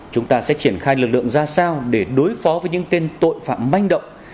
chúng ta sẽ triển khai lực lượng ra sao để đối phó với những tên tội phạm manh động